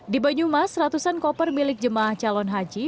di banyumas ratusan koper milik jemaah calon haji